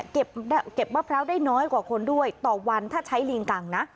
เก็บมะพร้าวได้น้อยกว่าคนด้วยต่อวันถ้าใช้ลิงกังนะ